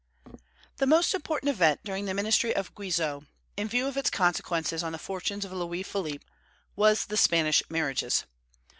The most important event during the ministry of Guizot, in view of its consequences on the fortunes of Louis Philippe, was the Spanish marriages.